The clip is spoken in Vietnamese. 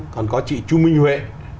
còn có chị chu minh huệ